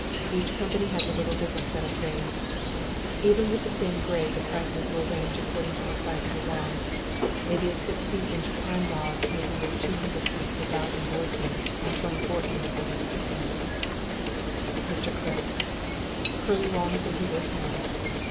Each company has a little different set of grades. Even with the same grade the prices will range according to the size of the log. Maybe a 16 inch prime log may be worth $200 per thousand board feet and 24 inch will be $300. MR. CRAIG: Curly walnut would be worth more?